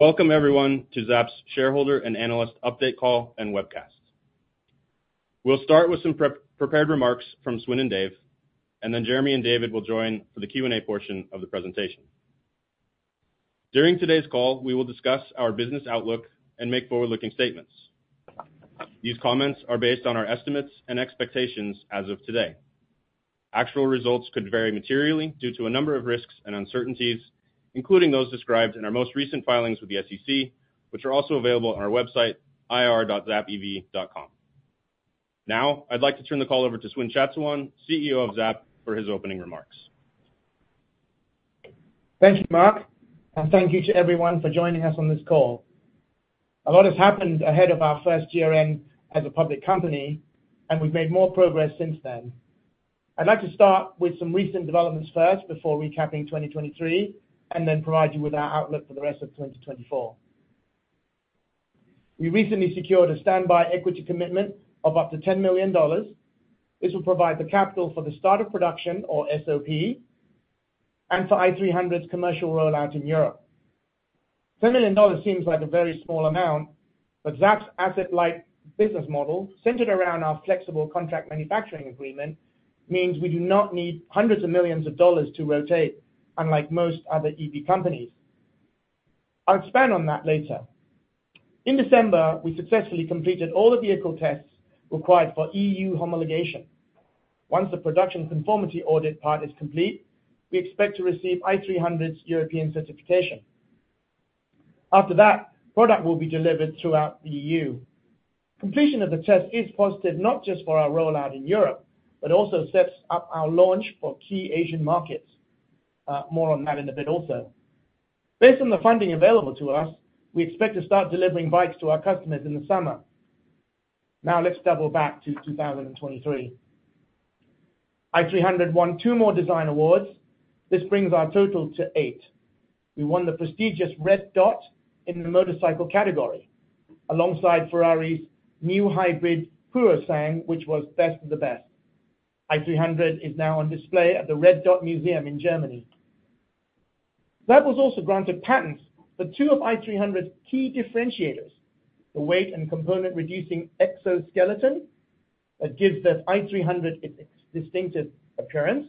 Welcome everyone to Zapp's shareholder and analyst update call and webcast. We'll start with some prepared remarks from Swin and Dave, and then Jeremy and David will join for the Q&A portion of the presentation. During today's call, we will discuss our business outlook and make forward-looking statements. These comments are based on our estimates and expectations as of today. Actual results could vary materially due to a number of risks and uncertainties, including those described in our most recent filings with the SEC, which are also available on our website, ir.zappev.com. Now, I'd like to turn the call over to Swin Chatsuwan, CEO of Zapp, for his opening remarks. Thank you, Mark, and thank you to everyone for joining us on this call. A lot has happened ahead of our first year-end as a public company, and we've made more progress since then. I'd like to start with some recent developments first before recapping 2023 and then provide you with our outlook for the rest of 2024. We recently secured a standby equity commitment of up to $10 million. This will provide the capital for the start of production, or SOP, and for i300's commercial rollout in Europe. $10 million seems like a very small amount, but Zapp's asset-light business model centered around our flexible contract manufacturing agreement means we do not need hundreds of millions of dollars to rotate, unlike most other EV companies. I'll expand on that later. In December, we successfully completed all the vehicle tests required for EU homologation. Once the production conformity audit part is complete, we expect to receive i300's European certification. After that, product will be delivered throughout the EU. Completion of the test is positive not just for our rollout in Europe, but also sets up our launch for key Asian markets. More on that in a bit also. Based on the funding available to us, we expect to start delivering bikes to our customers in the summer. Now let's double back to 2023. i300 won two more design awards. This brings our total to eight. We won the prestigious Red Dot in the motorcycle category, alongside Ferrari's new hybrid Purosangue, which was best of the best. i300 is now on display at the Red Dot Museum in Germany. Zapp was also granted patents for two of i300's key differentiators: the weight and component-reducing exoskeleton that gives the i300 its distinctive appearance,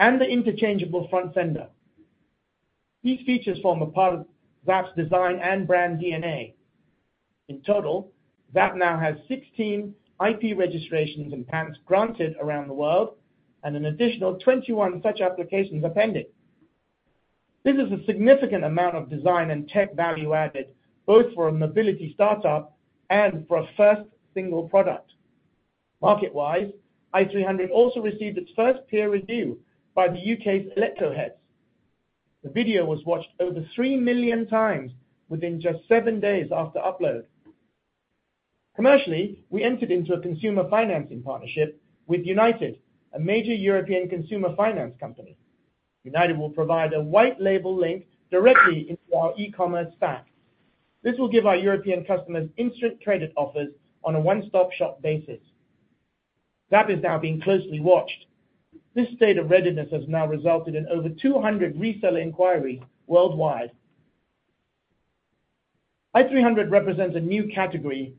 and the interchangeable front fender. These features form a part of Zapp's design and brand DNA. In total, Zapp now has 16 IP registrations and patents granted around the world, and an additional 21 such applications appended. This is a significant amount of design and tech value added, both for a mobility startup and for a first single product. Market-wise, i300 also received its first peer review by the U.K.'s Electroheads. The video was watched over three million times within just seven days after upload. Commercially, we entered into a consumer financing partnership with Younited, a major European consumer finance company. Younited will provide a white-label link directly into our e-commerce stack. This will give our European customers instant credit offers on a one-stop-shop basis. Zapp is now being closely watched. This state of readiness has now resulted in over 200 reseller inquiries worldwide. i300 represents a new category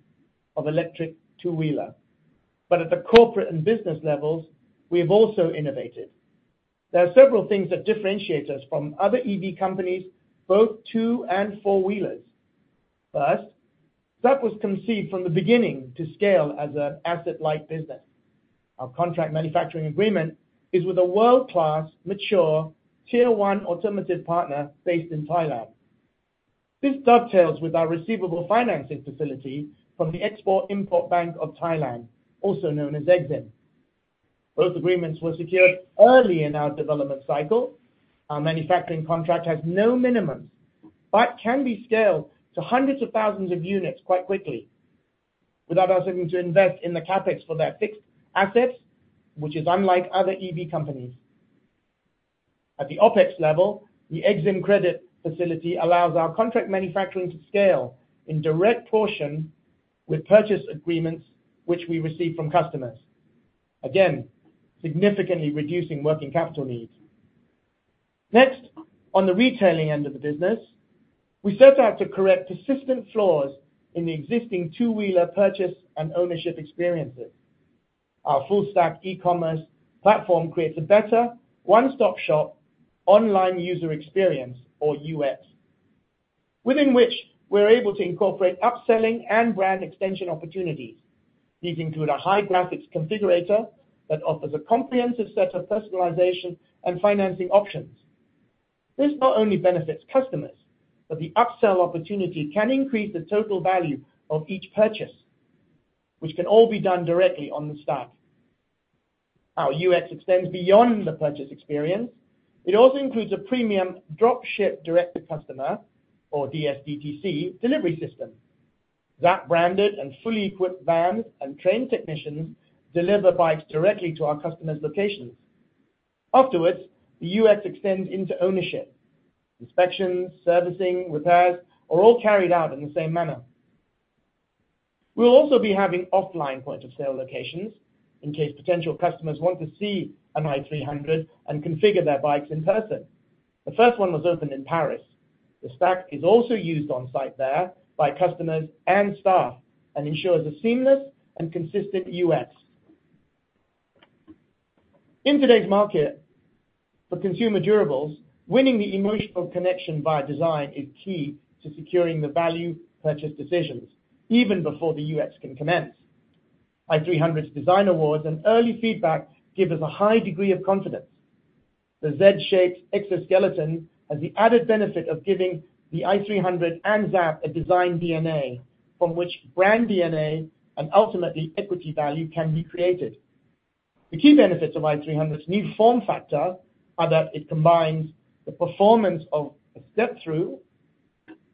of electric two-wheeler, but at the corporate and business levels, we have also innovated. There are several things that differentiate us from other EV companies, both two and four-wheelers. First, Zapp was conceived from the beginning to scale as an asset-light business. Our contract manufacturing agreement is with a world-class, mature Tier 1 automotive partner based in Thailand. This dovetails with our receivable financing facility from the Export-Import Bank of Thailand, also known as EXIM. Both agreements were secured early in our development cycle. Our manufacturing contract has no minimums but can be scaled to hundreds of thousands of units quite quickly, without us having to invest in the CapEx for their fixed assets, which is unlike other EV companies. At the OpEx level, the EXIM credit facility allows our contract manufacturing to scale in direct portion with purchase agreements which we receive from customers, again significantly reducing working capital needs. Next, on the retailing end of the business, we set out to correct persistent flaws in the existing two-wheeler purchase and ownership experiences. Our full-stack e-commerce platform creates a better one-stop-shop online user experience, or UX, within which we're able to incorporate upselling and brand extension opportunities. These include a high-graphics configurator that offers a comprehensive set of personalization and financing options. This not only benefits customers, but the upsell opportunity can increase the total value of each purchase, which can all be done directly on the stack. Our UX extends beyond the purchase experience. It also includes a premium drop-ship direct-to-customer, or DSDTC, delivery system. Zapp-branded and fully equipped vans and trained technicians deliver bikes directly to our customers' locations. Afterwards, the UX extends into ownership. Inspections, servicing, repairs are all carried out in the same manner. We'll also be having offline point-of-sale locations in case potential customers want to see an i300 and configure their bikes in person. The first one was opened in Paris. The stack is also used on-site there by customers and staff and ensures a seamless and consistent UX. In today's market for consumer durables, winning the emotional connection via design is key to securing the value purchase decisions even before the UX can commence. i300's design awards and early feedback give us a high degree of confidence. The Z-shaped exoskeleton has the added benefit of giving the i300 and Zapp a design DNA from which brand DNA and ultimately equity value can be created. The key benefits of i300's new form factor are that it combines the performance of a step-through,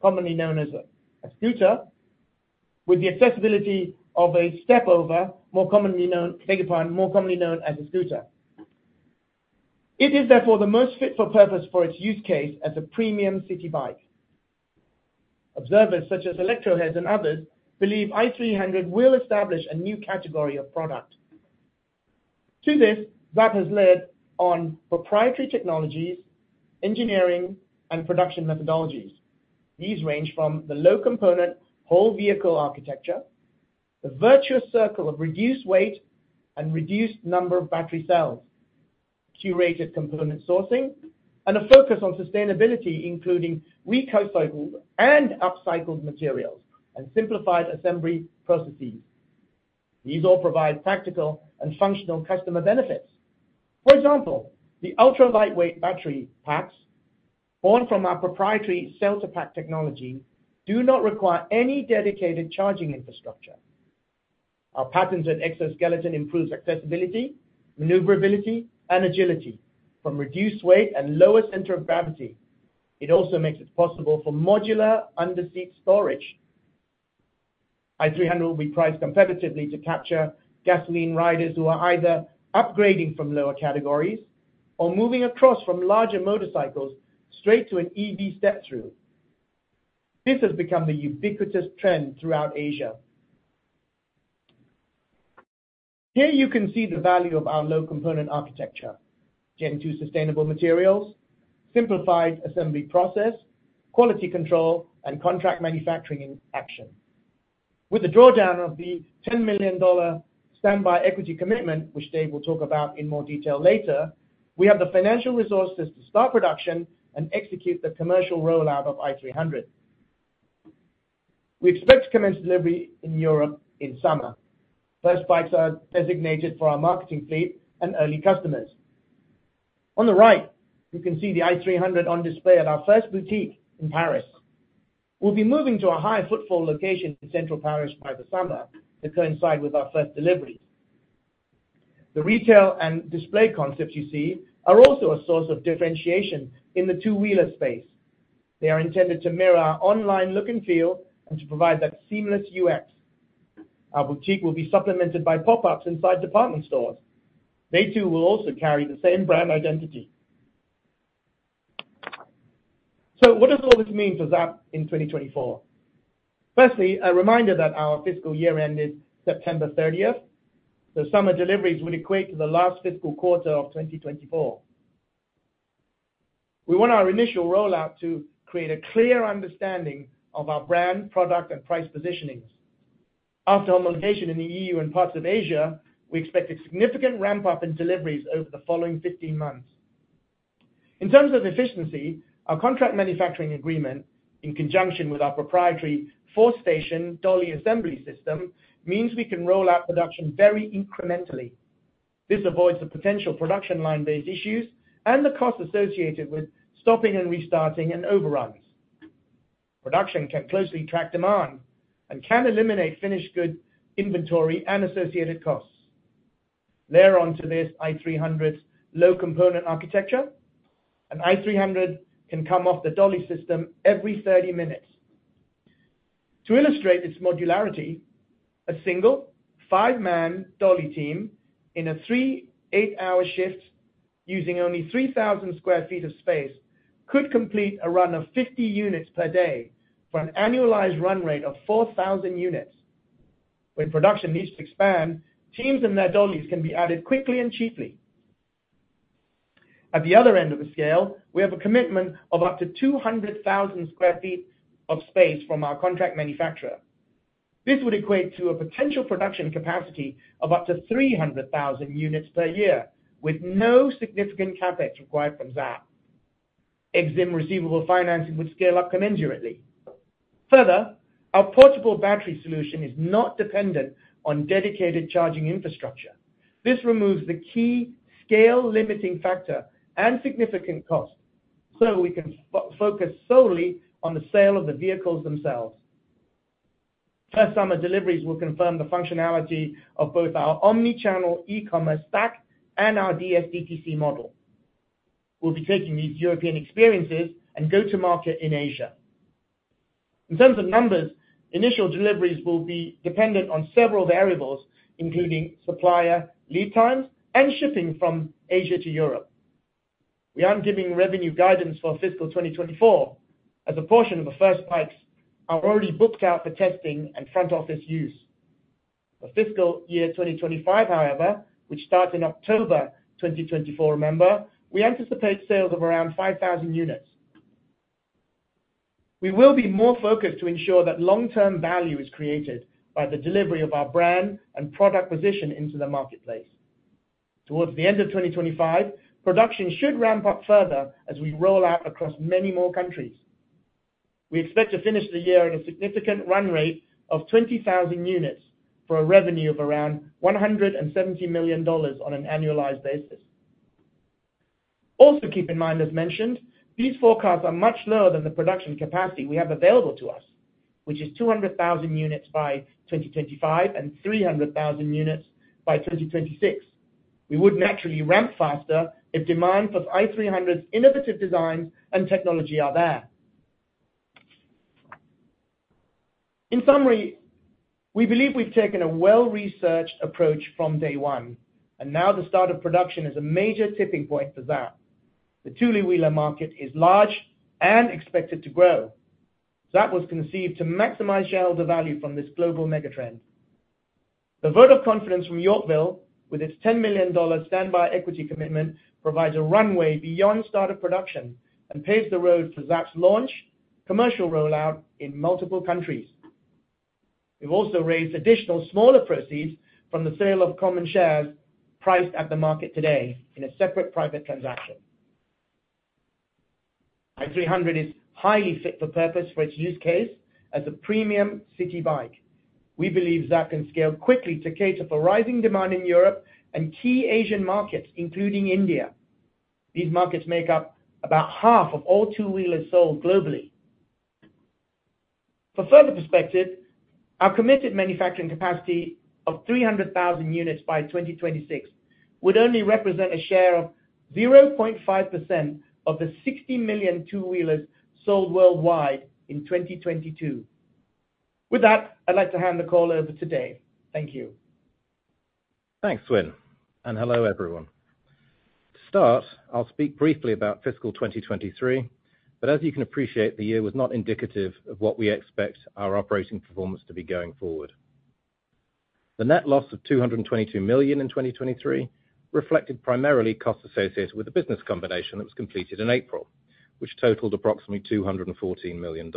commonly known as a scooter, with the accessibility of a step-over, more commonly known as a motorcycle. It is therefore the most fit for purpose for its use case as a premium city bike. Observers such as Electroheads and others believe i300 will establish a new category of product. To this, Zapp has led on proprietary technologies, engineering, and production methodologies. These range from the low-component whole-vehicle architecture, the virtuous circle of reduced weight and reduced number of battery cells, curated component sourcing, and a focus on sustainability, including recycled and upcycled materials and simplified assembly processes. These all provide practical and functional customer benefits. For example, the ultra-lightweight battery packs, born from our proprietary Cell-to-Pack technology, do not require any dedicated charging infrastructure. Our patents on exoskeleton improve accessibility, maneuverability, and agility from reduced weight and lower center of gravity. It also makes it possible for modular under-seat storage. i300 will be priced competitively to capture gasoline riders who are either upgrading from lower categories or moving across from larger motorcycles straight to an EV step-through. This has become the ubiquitous trend throughout Asia. Here you can see the value of our low-component architecture: Gen 2 sustainable materials, simplified assembly process, quality control, and contract manufacturing in action. With the drawdown of the $10 million standby equity commitment, which Dave will talk about in more detail later, we have the financial resources to start production and execute the commercial rollout of i300. We expect to commence delivery in Europe in summer. First bikes are designated for our marketing fleet and early customers. On the right, you can see the i300 on display at our first boutique in Paris. We'll be moving to a high-footfall location in central Paris by the summer to coincide with our first deliveries. The retail and display concepts you see are also a source of differentiation in the two-wheeler space. They are intended to mirror our online look and feel and to provide that seamless UX. Our boutique will be supplemented by pop-ups inside department stores. They too will also carry the same brand identity. So what does all this mean for Zapp in 2024? Firstly, a reminder that our fiscal year ended September 30th, so summer deliveries would equate to the last fiscal quarter of 2024. We want our initial rollout to create a clear understanding of our brand, product, and price positionings. After homologation in the EU and parts of Asia, we expect a significant ramp-up in deliveries over the following 15 months. In terms of efficiency, our contract manufacturing agreement, in conjunction with our proprietary four-station dolly assembly system, means we can roll out production very incrementally. This avoids the potential production line-based issues and the costs associated with stopping and restarting and overruns. Production can closely track demand and can eliminate finished goods inventory and associated costs. Layer onto this i300's low-component architecture, an i300 can come off the dolly system every 30 minutes. To illustrate its modularity, a single five-man dolly team in a three eight-hour shift using only 3,000 sq ft of space could complete a run of 50 units per day for an annualized run rate of 4,000 units. When production needs to expand, teams and their dollies can be added quickly and cheaply. At the other end of the scale, we have a commitment of up to 200,000 sq ft of space from our contract manufacturer. This would equate to a potential production capacity of up to 300,000 units per year with no significant CapEx required from Zapp. EXIM receivable financing would scale up commensurately. Further, our portable battery solution is not dependent on dedicated charging infrastructure. This removes the key scale-limiting factor and significant cost, so we can focus solely on the sale of the vehicles themselves. First-summer deliveries will confirm the functionality of both our omnichannel e-commerce stack and our DSDTC model. We'll be taking these European experiences and go to market in Asia. In terms of numbers, initial deliveries will be dependent on several variables, including supplier lead times and shipping from Asia to Europe. We aren't giving revenue guidance for fiscal 2024, as a portion of the first bikes are already booked out for testing and front-office use. For fiscal year 2025, however, which starts in October 2024, remember, we anticipate sales of around 5,000 units. We will be more focused to ensure that long-term value is created by the delivery of our brand and product position into the marketplace. Towards the end of 2025, production should ramp up further as we roll out across many more countries. We expect to finish the year at a significant run rate of 20,000 units for a revenue of around $170 million on an annualized basis. Also, keep in mind, as mentioned, these forecasts are much lower than the production capacity we have available to us, which is 200,000 units by 2025 and 300,000 units by 2026. We would naturally ramp faster if demand for i300's innovative designs and technology are there. In summary, we believe we've taken a well-researched approach from day one, and now the start of production is a major tipping point for Zapp. The two-wheeler market is large and expected to grow. Zapp was conceived to maximize shareholder value from this global megatrend. The vote of confidence from Yorkville, with its $10 million standby equity commitment, provides a runway beyond start of production and paves the road for Zapp's launch, commercial rollout in multiple countries. We've also raised additional smaller proceeds from the sale of common shares priced at the market today in a separate private transaction. i300 is highly fit for purpose for its use case as a premium city bike. We believe Zapp can scale quickly to cater for rising demand in Europe and key Asian markets, including India. These markets make up about half of all two-wheelers sold globally. For further perspective, our committed manufacturing capacity of 300,000 units by 2026 would only represent a share of 0.5% of the 60 million two-wheelers sold worldwide in 2022. With that, I'd like to hand the call over to Dave. Thank you. Thanks, Swin, and hello everyone. To start, I'll speak briefly about fiscal 2023, but as you can appreciate, the year was not indicative of what we expect our operating performance to be going forward. The net loss of $222 million in 2023 reflected primarily costs associated with the business combination that was completed in April, which totaled approximately $214 million.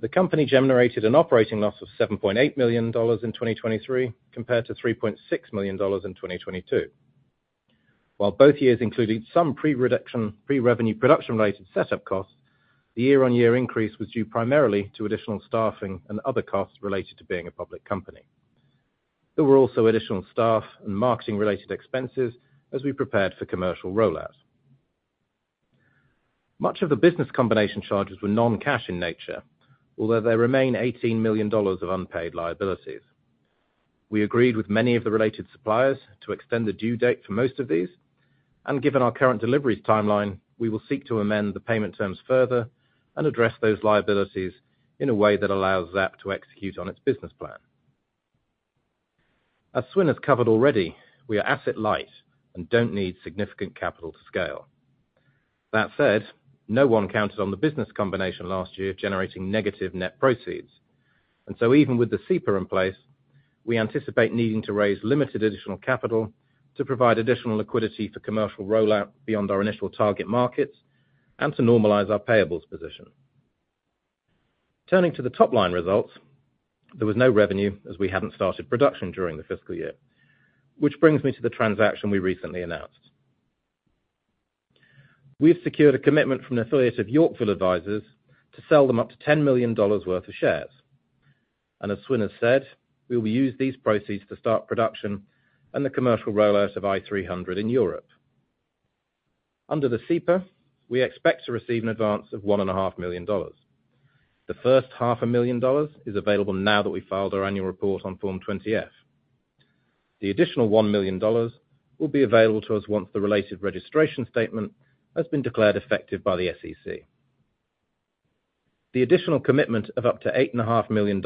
The company generated an operating loss of $7.8 million in 2023 compared to $3.6 million in 2022. While both years included some pre-revenue production-related setup costs, the year-on-year increase was due primarily to additional staffing and other costs related to being a public company. There were also additional staff and marketing-related expenses as we prepared for commercial rollout. Much of the business combination charges were non-cash in nature, although there remain $18 million of unpaid liabilities. We agreed with many of the related suppliers to extend the due date for most of these, and given our current deliveries timeline, we will seek to amend the payment terms further and address those liabilities in a way that allows Zapp to execute on its business plan. As Swin has covered already, we are asset-light and don't need significant capital to scale. That said, no one counted on the business combination last year generating negative net proceeds, and so even with the SEPA in place, we anticipate needing to raise limited additional capital to provide additional liquidity for commercial rollout beyond our initial target markets and to normalize our payables position. Turning to the top-line results, there was no revenue as we hadn't started production during the fiscal year, which brings me to the transaction we recently announced. We've secured a commitment from an affiliate of Yorkville Advisors to sell them up to $10 million worth of shares, and as Swin has said, we will use these proceeds to start production and the commercial rollout of i300 in Europe. Under the SEPA, we expect to receive an advance of $1.5 million. The first $500,000 is available now that we filed our annual report on Form 20-F. The additional $1 million will be available to us once the related registration statement has been declared effective by the SEC. The additional commitment of up to $8.5 million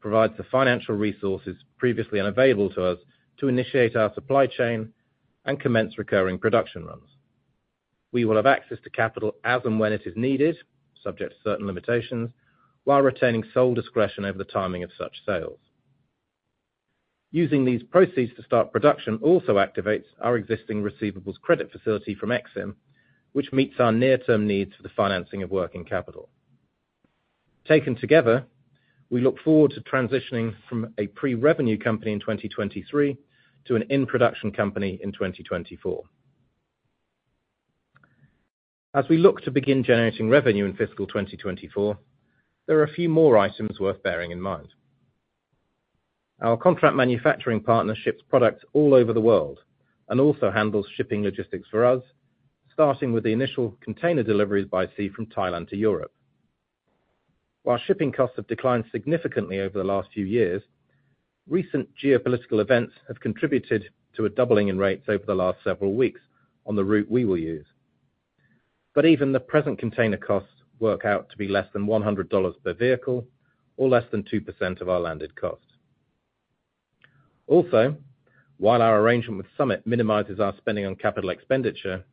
provides the financial resources previously unavailable to us to initiate our supply chain and commence recurring production runs. We will have access to capital as and when it is needed, subject to certain limitations, while retaining sole discretion over the timing of such sales. Using these proceeds to start production also activates our existing receivables credit facility from EXIM, which meets our near-term needs for the financing of working capital. Taken together, we look forward to transitioning from a pre-revenue company in 2023 to an in-production company in 2024. As we look to begin generating revenue in fiscal 2024, there are a few more items worth bearing in mind. Our contract manufacturing partner ships products all over the world and also handles shipping logistics for us, starting with the initial container deliveries by sea from Thailand to Europe. While shipping costs have declined significantly over the last few years, recent geopolitical events have contributed to a doubling in rates over the last several weeks on the route we will use. But even the present container costs work out to be less than $100 per vehicle or less than 2% of our landed cost. Also, while our arrangement with Summit minimizes our spending on capital expenditure,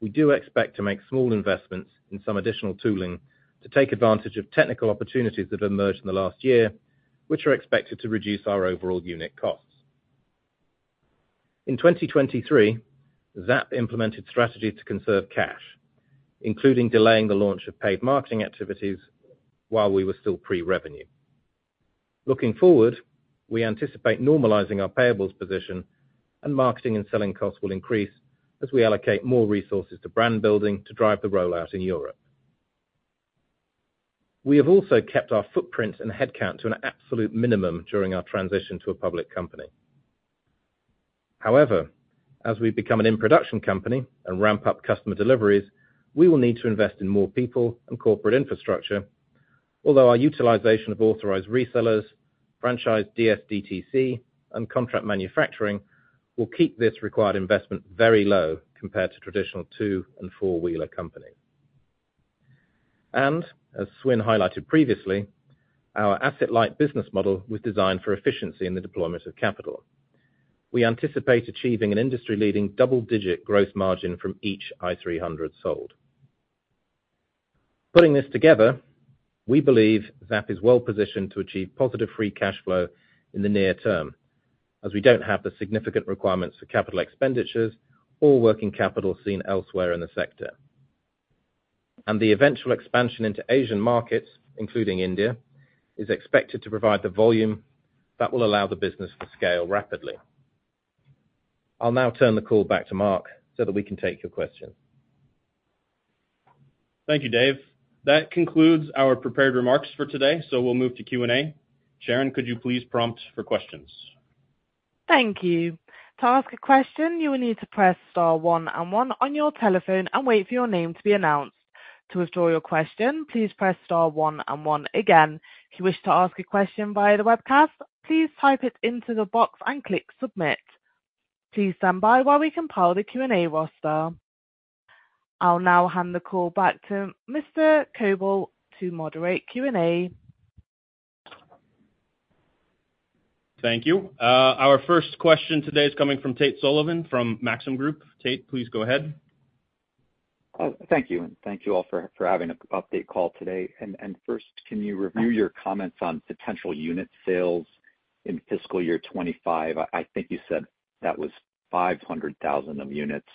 we do expect to make small investments in some additional tooling to take advantage of technical opportunities that have emerged in the last year, which are expected to reduce our overall unit costs. In 2023, Zapp implemented strategies to conserve cash, including delaying the launch of paid marketing activities while we were still pre-revenue. Looking forward, we anticipate normalizing our payables position, and marketing and selling costs will increase as we allocate more resources to brand building to drive the rollout in Europe. We have also kept our footprint and headcount to an absolute minimum during our transition to a public company. However, as we become an in-production company and ramp up customer deliveries, we will need to invest in more people and corporate infrastructure, although our utilization of authorized resellers, franchised DSDTC, and contract manufacturing will keep this required investment very low compared to traditional two and four-wheeler companies. As Swin highlighted previously, our asset-light business model was designed for efficiency in the deployment of capital. We anticipate achieving an industry-leading double-digit gross margin from each i300 sold. Putting this together, we believe Zapp is well positioned to achieve positive free cash flow in the near-term, as we don't have the significant requirements for capital expenditures or working capital seen elsewhere in the sector. The eventual expansion into Asian markets, including India, is expected to provide the volume that will allow the business to scale rapidly. I'll now turn the call back to Mark so that we can take your questions. Thank you, Dave. That concludes our prepared remarks for today, so we'll move to Q&A. Sharon, could you please prompt for questions? Thank you. To ask a question, you will need to press star one and one on your telephone and wait for your name to be announced. To withdraw your question, please press star one and one again. If you wish to ask a question via the webcast, please type it into the box and click submit. Please stand by while we compile the Q&A roster. I'll now hand the call back to Mr. Kobal to moderate Q&A. Thank you. Our first question today is coming from Tate Sullivan from Maxim Group. Tate, please go ahead. Thank you, and thank you all for having an update call today. First, can you review your comments on potential unit sales in fiscal year 2025? I think you said that was 500,000 of units,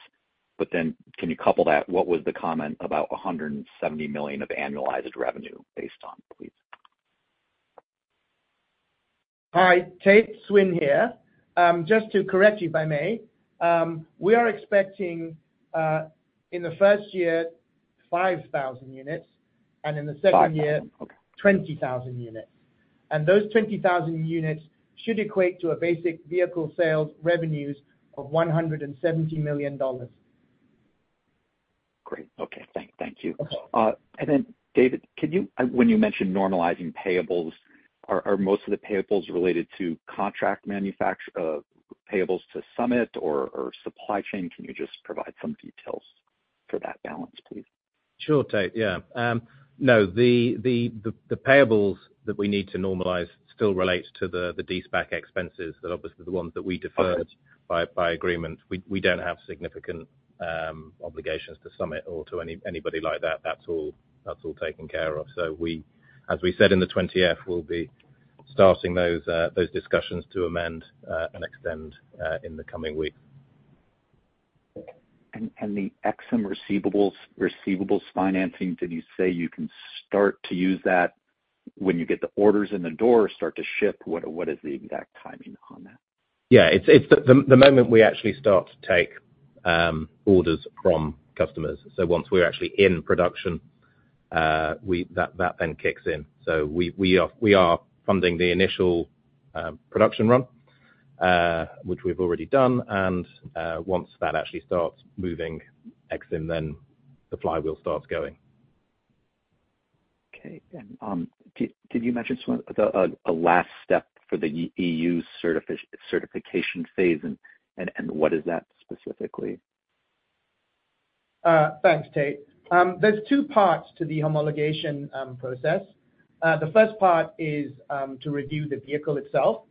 but then can you couple that? What was the comment about $170 million of annualized revenue based on, please? Hi, Tate. Swin here. Just to correct you, if I may, we are expecting in the first year 5,000 units and in the second year 20,000 units. And those 20,000 units should equate to a basic vehicle sales revenues of $170 million. Great. Okay. Thank you. And then, Dave, when you mentioned normalizing payables, are most of the payables related to contract payables to Summit or supply chain? Can you just provide some details for that balance, please? Sure, Tate. Yeah. No, the payables that we need to normalize still relate to the SPAC expenses that are obviously the ones that we deferred by agreement. We don't have significant obligations to Summit or to anybody like that. That's all taken care of. So as we said in the 20-F, we'll be starting those discussions to amend and extend in the coming weeks. And the EXIM receivables financing, did you say you can start to use that when you get the orders in the door, start to ship? What is the exact timing on that? Yeah. It's the moment we actually start to take orders from customers. So once we're actually in production, that then kicks in. So we are funding the initial production run, which we've already done, and once that actually starts moving, EXIM, then the flywheel starts going. Okay. And did you mention a last step for the EU certification phase, and what is that specifically? Thanks, Tate. There's two parts to the homologation process. The first part is to review the vehicle itself,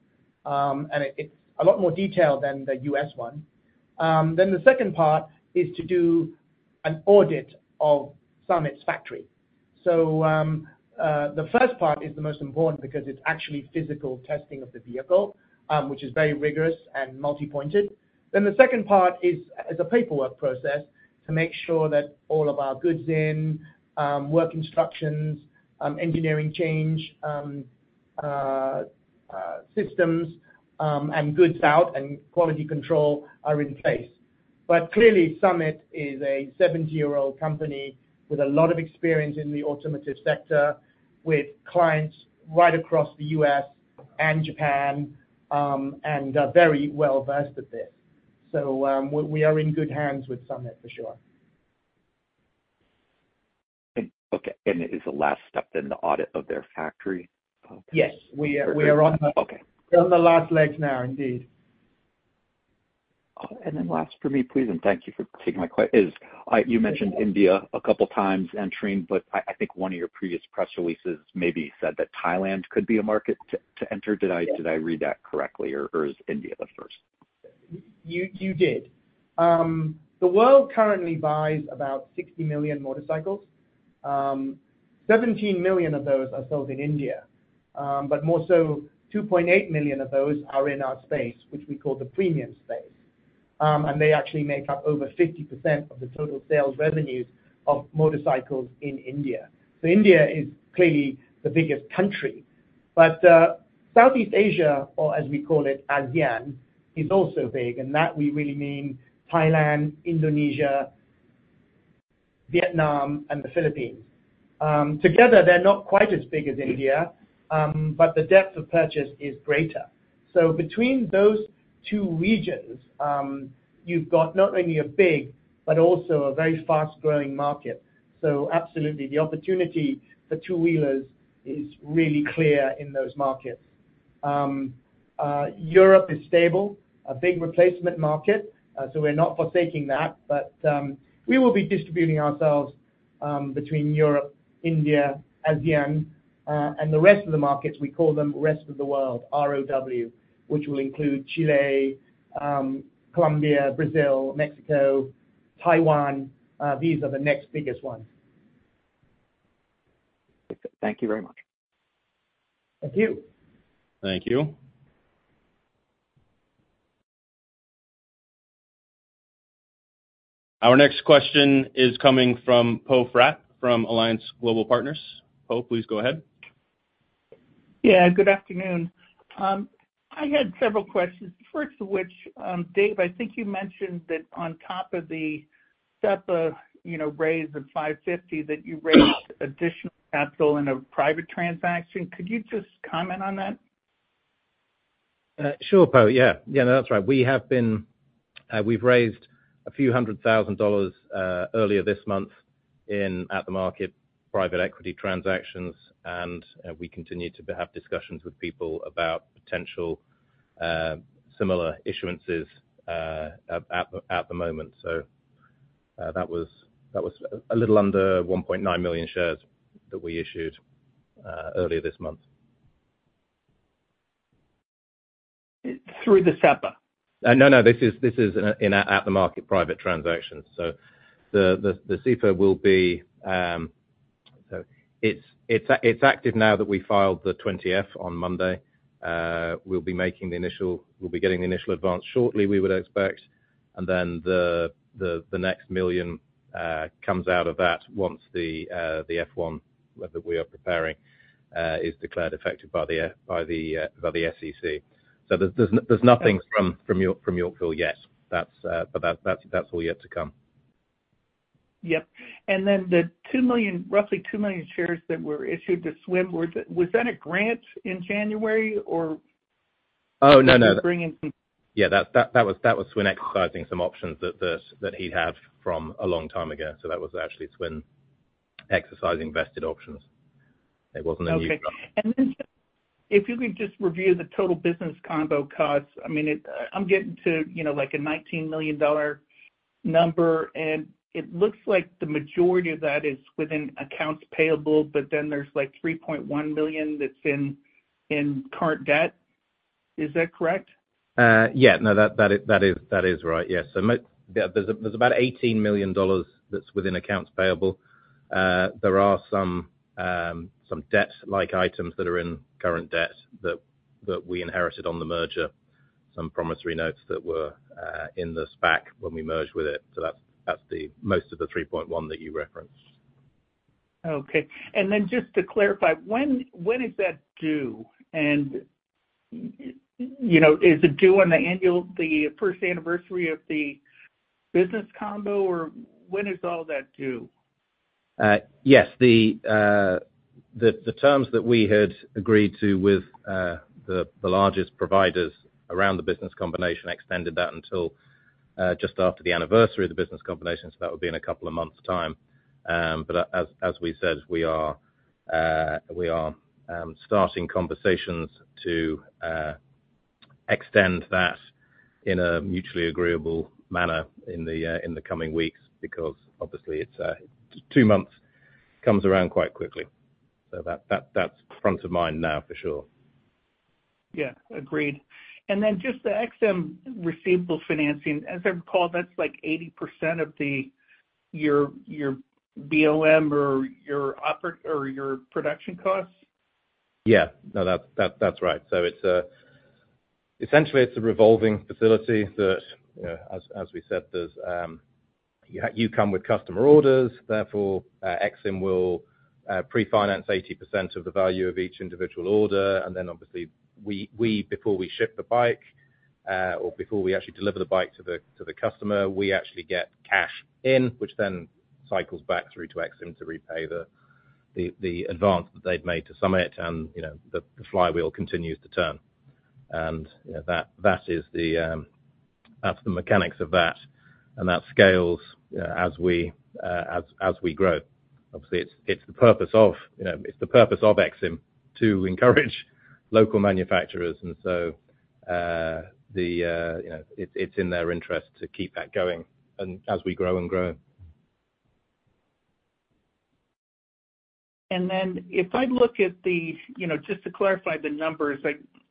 and it's a lot more detailed than the U.S. one. Then the second part is to do an audit of Summit's factory. So the first part is the most important because it's actually physical testing of the vehicle, which is very rigorous and multi-pointed. Then the second part is a paperwork process to make sure that all of our goods in, work instructions, engineering change systems, and goods out, and quality control are in place. But clearly, Summit is a 70-year-old company with a lot of experience in the automotive sector with clients right across the U.S. and Japan and are very well-versed at this. So we are in good hands with Summit, for sure. Okay. And is the last step then the audit of their factory? Yes. We are on the last legs now, indeed. And then last for me, please, and thank you for taking my question, is you mentioned India a couple of times entering, but I think one of your previous press releases maybe said that Thailand could be a market to enter. Did I read that correctly, or is India the first? You did. The world currently buys about 60 million motorcycles. 17 million of those are sold in India, but more so, 2.8 million of those are in our space, which we call the premium space. And they actually make up over 50% of the total sales revenues of motorcycles in India. So India is clearly the biggest country. But Southeast Asia, or as we call it, ASEAN, is also big, and that we really mean Thailand, Indonesia, Vietnam, and the Philippines. Together, they're not quite as big as India, but the depth of purchase is greater. So between those two regions, you've got not only a big but also a very fast-growing market. So absolutely, the opportunity for two-wheelers is really clear in those markets. Europe is stable, a big replacement market, so we're not forsaking that. But we will be distributing ourselves between Europe, India, ASEAN, and the rest of the markets. We call them rest of the world, ROW, which will include Chile, Colombia, Brazil, Mexico, Taiwan. These are the next biggest ones. Thank you very much. Thank you. Thank you. Our next question is coming from Poe Fratt from Alliance Global Partners. Poe, please go ahead. Yeah. Good afternoon. I had several questions, the first of which, Dave, I think you mentioned that on top of the Zapp raise of $550, that you raised additional capital in a private transaction. Could you just comment on that? Sure, Poe. Yeah. Yeah, no, that's right. We've raised a few hundred thousand dollars earlier this month at the market private equity transactions, and we continue to have discussions with people about potential similar issuances at the moment. So that was a little under 1.9 million shares that we issued earlier this month. Through the SEPA? No, no. This is in at-the-market private transactions. So the SEPA will be, so it's active now that we filed the 20-F on Monday. We'll be getting the initial advance shortly, we would expect. And then the next million comes out of that once the F-1 that we are preparing is declared effective by the SEC. So there's nothing from Yorkville yet, but that's all yet to come. Yep. And then the roughly two million shares that were issued to Swin, was that a grant in January, or was that bringing some? Oh, no, no. Yeah. That was Swin exercising some options that he'd had from a long time ago. So that was actually Swin exercising vested options. It wasn't a new company. Okay. And then if you could just review the total business combo costs, I mean, I'm getting to a $19 million number, and it looks like the majority of that is within accounts payable, but then there's $3.1 million that's in current debt. Is that correct? Yeah. No, that is right. Yes. So there's about $18 million that's within accounts payable. There are some debt-like items that are in current debt that we inherited on the merger, some promissory notes that were in the SPAC when we merged with it. So that's most of the 3.1 that you referenced. Okay. And then just to clarify, when is that due? And is it due on the first anniversary of the business combo, or when is all that due? Yes. The terms that we had agreed to with the largest providers around the business combination extended that until just after the anniversary of the business combination. So that would be in a couple of months' time. But as we said, we are starting conversations to extend that in a mutually agreeable manner in the coming weeks because obviously, two months comes around quite quickly. So that's front of mind now, for sure. Yeah. Agreed. And then just the EXIM receivable financing, as I recall, that's 80% of your BOM or your production costs? Yeah. No, that's right. So essentially, it's a revolving facility that, as we said, you come with customer orders. Therefore, EXIM will pre-finance 80% of the value of each individual order. And then obviously, before we ship the bike or before we actually deliver the bike to the customer, we actually get cash in, which then cycles back through to EXIM to repay the advance that they've made to Summit, and the flywheel continues to turn. And that is the mechanics of that, and that scales as we grow. Obviously, it's the purpose of EXIM to encourage local manufacturers. And so it's in their interest to keep that going as we grow and grow. And then if I look at the just to clarify the numbers,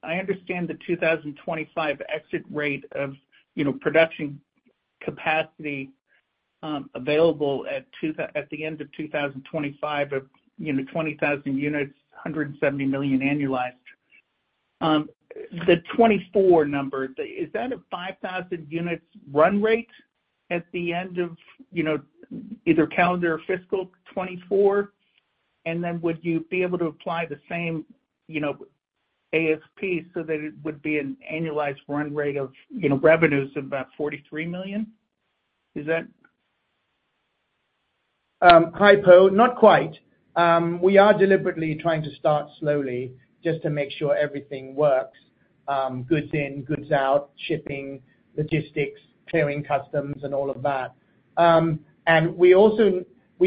I understand the 2025 exit rate of production capacity available at the end of 2025 of 20,000 units, $170 million annualized. The 2024 number, is that a 5,000 units run rate at the end of either calendar or fiscal 2024? And then would you be able to apply the same ASP so that it would be an annualized run rate of revenues of about $43 million? Is that? Hi, Poe. Not quite. We are deliberately trying to start slowly just to make sure everything works: goods in, goods out, shipping, logistics, clearing customs, and all of that. And we've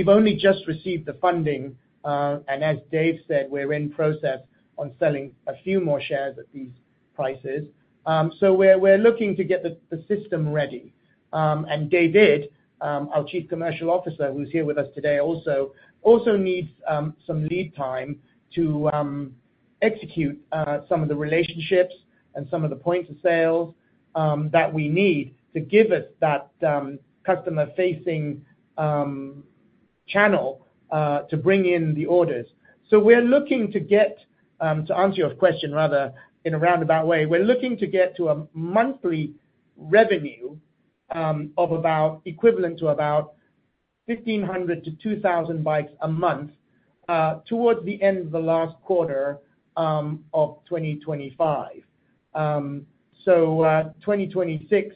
only just received the funding, and as Dave said, we're in process on selling a few more shares at these prices. So we're looking to get the system ready. And David, our Chief Commercial Officer, who's here with us today also, also needs some lead time to execute some of the relationships and some of the points of sales that we need to give us that customer-facing channel to bring in the orders. So we're looking to get to answer your question, rather, in a roundabout way. We're looking to get to a monthly revenue equivalent to about 1,500-2,000 bikes a month towards the end of the last quarter of 2025. So 2026,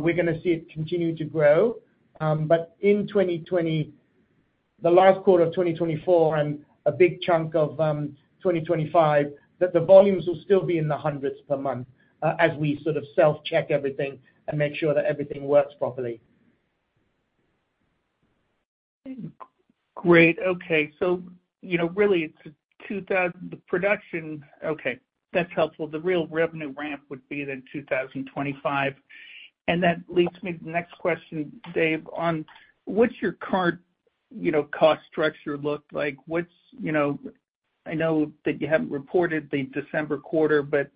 we're going to see it continue to grow. But in the last quarter of 2024 and a big chunk of 2025, the volumes will still be in the hundreds per month as we sort of self-check everything and make sure that everything works properly. Great. Okay. So really, it's the production okay. That's helpful. The real revenue ramp would be then 2025. And that leads me to the next question, Dave, on what's your current cost structure look like? I know that you haven't reported the December quarter, but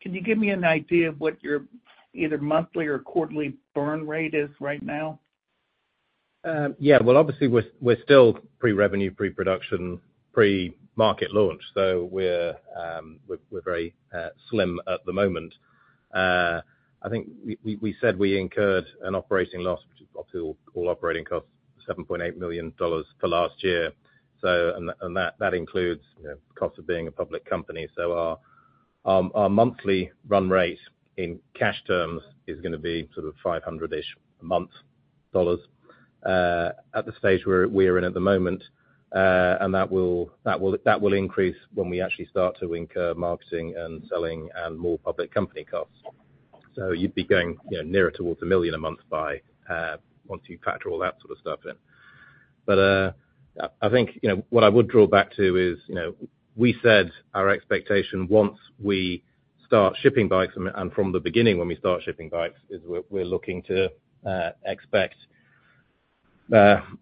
can you give me an idea of what your either monthly or quarterly burn rate is right now? Yeah. Well, obviously, we're still pre-revenue, pre-production, pre-market launch. So we're very slim at the moment. I think we said we incurred an operating loss, which is up to all operating costs, $7.8 million for last year. And that includes costs of being a public company. So our monthly run rate in cash terms is going to be sort of 500-ish a month. Dollars at the stage we are in at the moment. And that will increase when we actually start to incur marketing and selling and more public company costs. So you'd be going nearer towards a million a month once you factor all that sort of stuff in. But I think what I would draw back to is we said our expectation once we start shipping bikes and from the beginning, when we start shipping bikes, is we're looking to expect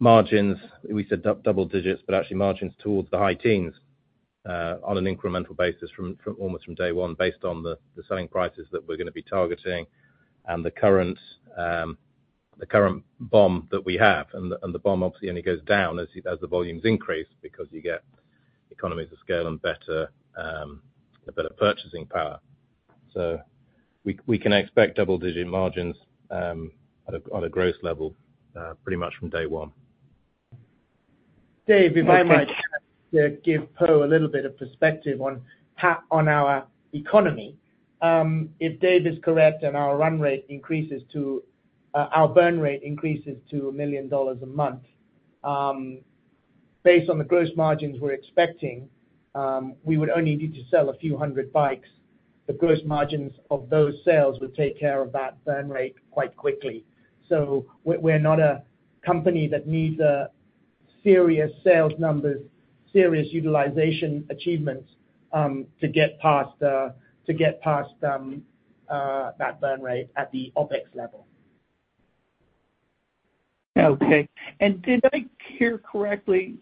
margins we said double digits, but actually margins towards the high teens on an incremental basis almost from day one based on the selling prices that we're going to be targeting and the current BOM that we have. And the BOM obviously only goes down as the volumes increase because you get economies of scale and better purchasing power. So we can expect double-digit margins on a gross level pretty much from day one. Dave, if I might give Poe a little bit of perspective on our economy, if Dave is correct and our run rate increases to our burn rate increases to $1 million a month, based on the gross margins we're expecting, we would only need to sell a few hundred bikes. The gross margins of those sales would take care of that burn rate quite quickly. So we're not a company that needs serious sales numbers, serious utilization achievements to get past that burn rate at the OpEx level. Okay. And did I hear correctly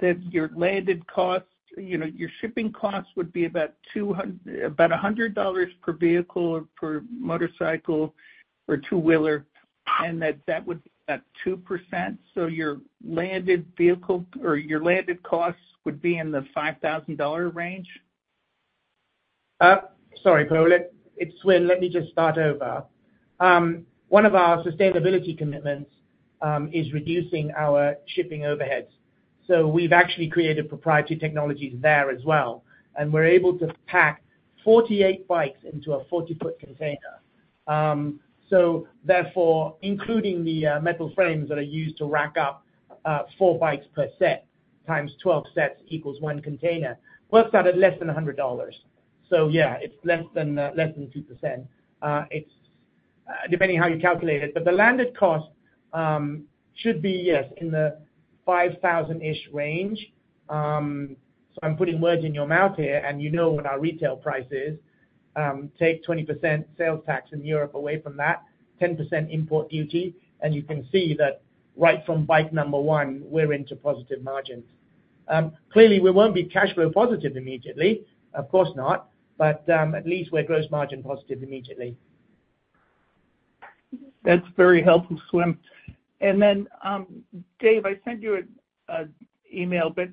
that your landed costs your shipping costs would be about $100 per vehicle or per motorcycle or two-wheeler, and that that would be about 2%? So your landed vehicle or your landed costs would be in the $5,000 range? Sorry, Poe. Let me just start over. One of our sustainability commitments is reducing our shipping overheads. We've actually created proprietary technologies there as well. We're able to pack 48 bikes into a 40-foot container. Therefore, including the metal frames that are used to rack up four bikes per set times 12 sets equals one container, works out at less than $100. Yeah, it's less than 2% depending how you calculate it. The landed cost should be, yes, in the $5,000-ish range. I'm putting words in your mouth here, and you know what our retail price is. Take 20% sales tax in Europe away from that, 10% import duty, and you can see that right from bike number one, we're into positive margins. Clearly, we won't be cash flow positive immediately. Of course not. At least we're gross margin positive immediately. That's very helpful, Swin. And then, Dave, I sent you an email, but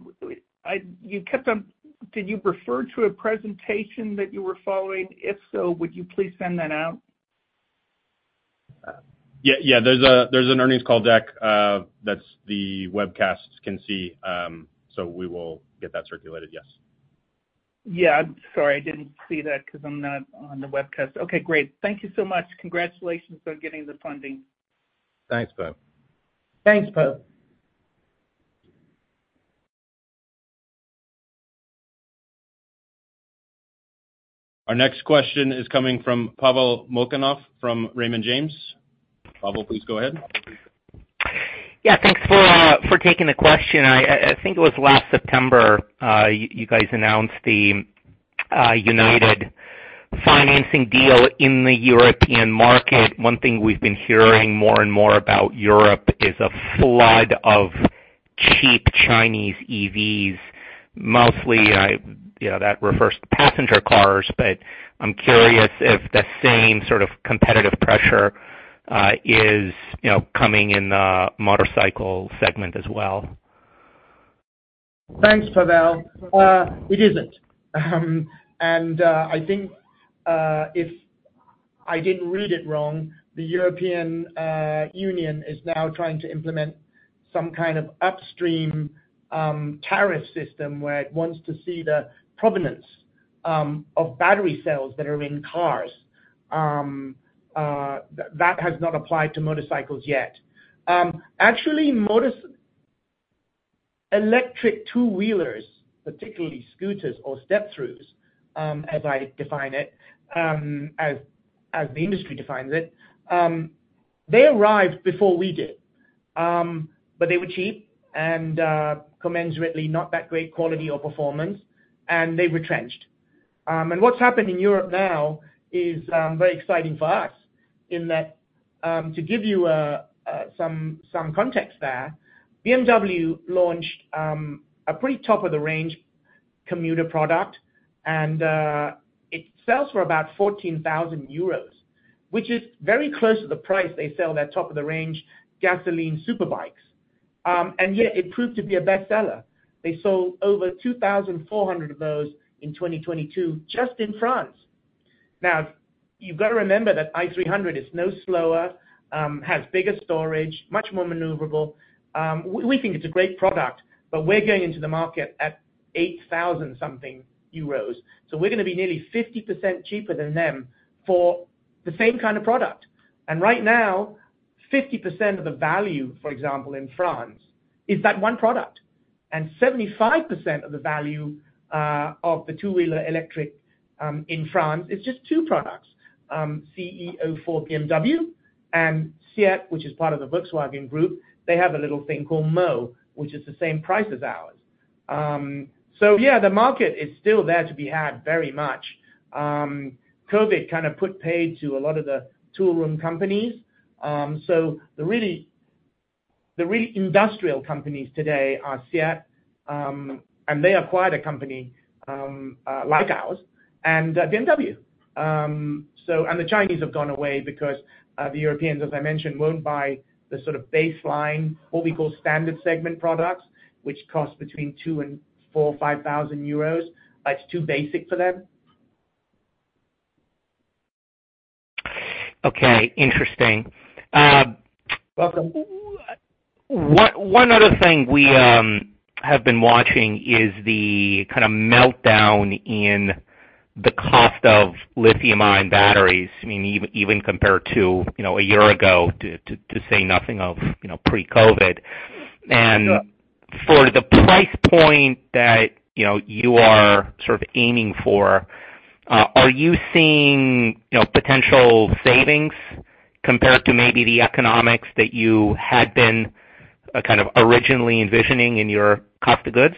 you kept on—did you refer to a presentation that you were following? If so, would you please send that out? Yeah. There's an earnings call deck that the webcasts can see. So we will get that circulated, yes. Yeah. I'm sorry. I didn't see that because I'm not on the webcast. Okay. Great. Thank you so much. Congratulations on getting the funding. Thanks, Poe. Thanks, Poe. Our next question is coming from Pavel Molchanov from Raymond James. Pavel, please go ahead. Yeah. Thanks for taking the question. I think it was last September you guys announced the equity financing deal in the European market. One thing we've been hearing more and more about Europe is a flood of cheap Chinese EVs, mostly that refers to passenger cars. But I'm curious if the same sort of competitive pressure is coming in the motorcycle segment as well. Thanks, Pavel. It isn't. And I think if I didn't read it wrong, the European Union is now trying to implement some kind of upstream tariff system where it wants to see the provenance of battery cells that are in cars. That has not applied to motorcycles yet. Actually, electric two-wheelers, particularly scooters or step-throughs, as I define it, as the industry defines it, they arrived before we did. But they were cheap and commensurately not that great quality or performance, and they retrenched. And what's happened in Europe now is very exciting for us in that to give you some context there, BMW launched a pretty top-of-the-range commuter product, and it sells for about 14,000 euros, which is very close to the price they sell their top-of-the-range gasoline superbikes. Yet, it proved to be a bestseller. They sold over 2,400 of those in 2022 just in France. Now, you've got to remember that i300 is no slower, has bigger storage, much more maneuverable. We think it's a great product, but we're going into the market at 8,000-something euros. So we're going to be nearly 50% cheaper than them for the same kind of product. Right now, 50% of the value, for example, in France is that one product. And 75% of the value of the two-wheeler electric in France is just two products: CE04 BMW and SEAT, which is part of the Volkswagen Group. They have a little thing called Mó, which is the same price as ours. So yeah, the market is still there to be had very much. COVID kind of put paid to a lot of the two-wheeler companies. So the really industrial companies today are SEAT, and they acquired a company like ours, and BMW. And the Chinese have gone away because the Europeans, as I mentioned, won't buy the sort of baseline, what we call standard segment products, which cost between 2,000 and 4,500 euros. It's too basic for them. Okay. Interesting. Welcome. One other thing we have been watching is the kind of meltdown in the cost of lithium-ion batteries, I mean, even compared to a year ago, to say nothing of pre-COVID. And for the price point that you are sort of aiming for, are you seeing potential savings compared to maybe the economics that you had been kind of originally envisioning in your cost of goods?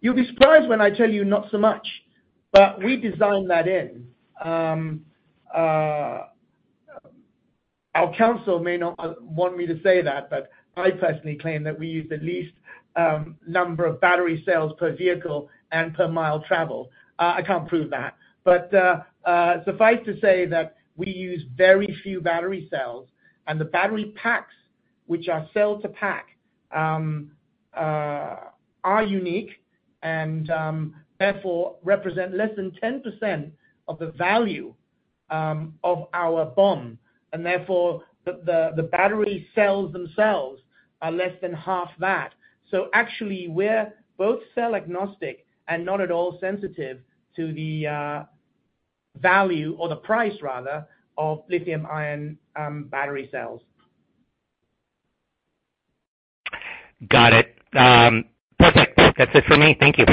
You'll be surprised when I tell you not so much, but we designed that in. Our council may not want me to say that, but I personally claim that we use the least number of battery cells per vehicle and per mile traveled. I can't prove that. Suffice to say that we use very few battery cells, and the battery packs, which are Cell-to-Pack, are unique and therefore represent less than 10% of the value of our BOM. Therefore, the battery cells themselves are less than half that. Actually, we're both cell-agnostic and not at all sensitive to the value or the price, rather, of lithium-ion battery cells. Got it. Perfect. That's it for me. Thank you.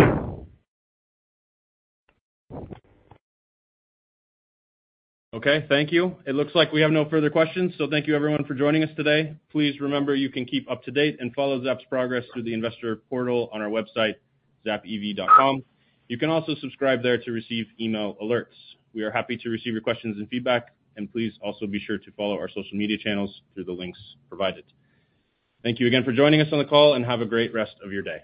Okay. Thank you. It looks like we have no further questions. So thank you, everyone, for joining us today. Please remember, you can keep up to date and follow Zapp's progress through the investor portal on our website, zappev.com. You can also subscribe there to receive email alerts. We are happy to receive your questions and feedback. Please also be sure to follow our social media channels through the links provided. Thank you again for joining us on the call, and have a great rest of your day.